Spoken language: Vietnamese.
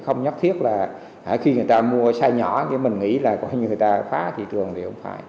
không nhất thiết là khi người ta mua size nhỏ thì mình nghĩ là người ta phá thị trường thì không phải